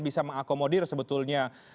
bisa mengakomodir sebetulnya